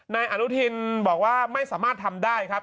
นายอนุทินบอกว่าไม่สามารถทำได้ครับ